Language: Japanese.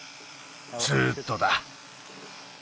すっとだ。